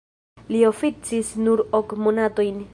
Li oficis nur ok monatojn.